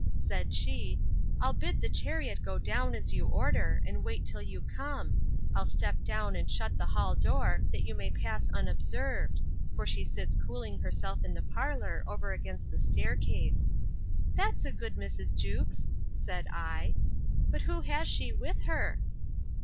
—Said she, I'll bid the chariot go down, as you order, and wait till you come; and I'll step down and shut the hall door, that you may pass unobserved; for she sits cooling herself in the parlour, over against the staircase. That's a good Mrs. Jewkes! said I: But who has she with her?